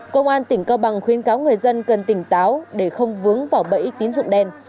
công an tỉnh cao bằng khuyến cáo người dân cần tỉnh táo để không vướng vào bẫy tín dụng đen